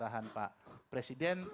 dan arahan pak presiden